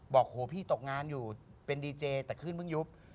บอกโหพี่ตกงานอยู่เป็นดีเจแต่ขึ้นเพิ่งยุบ